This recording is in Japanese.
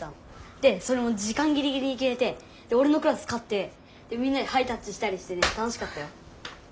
でそれも時間ギリギリにきめておれのクラスかってみんなでハイタッチしたりしてね楽しかったよ。